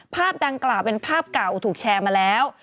ภาพดังกล่าวเป็นภาพเก่าถูกแชร์มาแล้ว